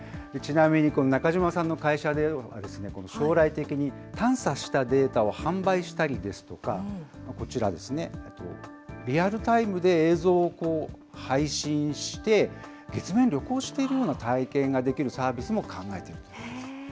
ちなみに、中島さんの会社では将来的に探査したデータを販売したりですとか、こちら、リアルタイムで映像を配信して、月面を旅行しているような体験ができるサービスも考えていると。